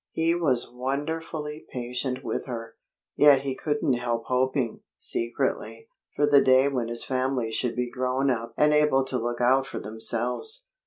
He was wonderfully patient with her. Yet he couldn't help hoping, secretly, for the day when his family should be grown up and able to look out for themselves.